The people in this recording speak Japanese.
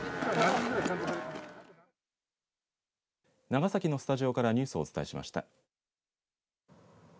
長崎のスタジオからニュースをお伝えしました。